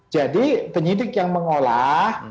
jadi penyidik yang mengolah